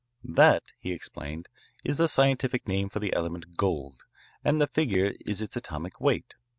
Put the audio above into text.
"That," he explained, "is the scientific name for the element gold and the figure is its atomic weight.